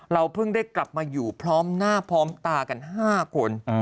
เพิ่งได้กลับมาอยู่พร้อมหน้าพร้อมตากัน๕คน